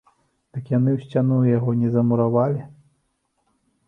Дык яны ў сцяну яго не замуравалі?!